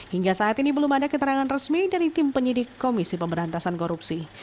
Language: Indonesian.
hingga saat ini belum ada keterangan resmi dari tim penyidik komisi pemberantasan korupsi